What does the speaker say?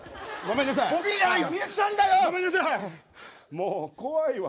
もう怖いわ。